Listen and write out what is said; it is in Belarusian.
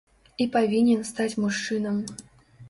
І павінен стаць мужчынам.